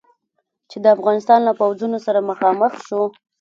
چې د افغانستان له پوځونو سره مخامخ شو.